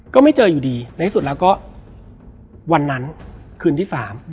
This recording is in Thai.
ก็ไม่เจออยู่ดีในที่สุดแล้วก็วันนั้นคืนที่๓